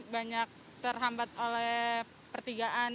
banyak terhambat oleh pertigaan